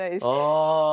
ああ。